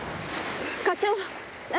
課長！